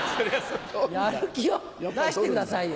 やる気を出してくださいよ。